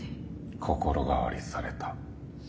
心変わりされた。